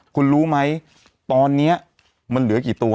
คุณรู้ไหมตอนนี้มันเหลือกี่ตัว